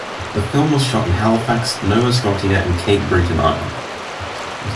The film was shot in Halifax, Nova Scotia and Cape Breton Island.